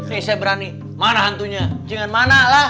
ini saya berani mana hantunya jangan mana lah